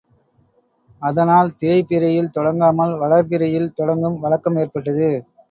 அதனால், தேய் பிறையில் தொடங்காமல் வளர் பிறையில் தொடங்கும் வழக்கம் ஏற்பட்டது.